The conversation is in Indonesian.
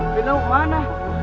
bila mau kemana